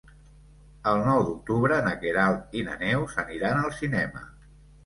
El nou d'octubre na Queralt i na Neus aniran al cinema.